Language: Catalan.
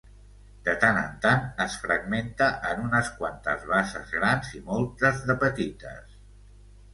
De tant en tant, es fragmenta en unes quantes basses grans i moltes de petites.